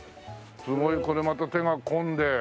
すごいこれまた手が込んで。